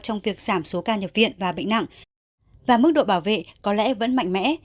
trong việc giảm số ca nhập viện và bệnh nặng và mức độ bảo vệ có lẽ vẫn mạnh mẽ